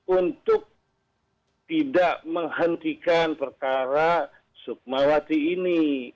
untuk tidak menghentikan perkara sukmawati ini